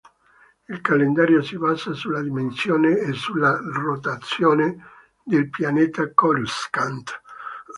Il calendario si basa sulla dimensione e sulla rotazione del pianeta Coruscant.